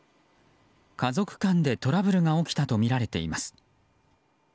家族間でトラブルが起きたとみられています。